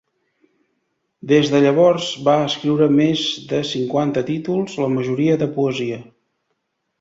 Des de llavors va escriure més de cinquanta títols, la majoria de poesia.